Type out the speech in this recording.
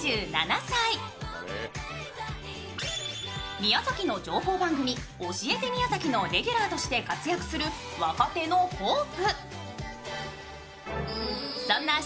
宮崎の情報番組「おしえて！みやざき」のレギュラーとして活躍する若手のホープ。